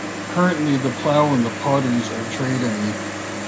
Currently The Plough and The Potters are trading.